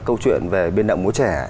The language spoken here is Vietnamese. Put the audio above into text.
câu chuyện về biên đạo mối trẻ